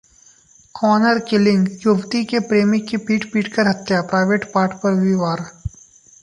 honour killing: युवती के प्रेमी की पीट-पीटकर हत्या, प्राइवेट पार्ट पर भी वार